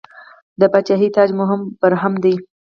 د پاچاهۍ تاج مو برهم دی.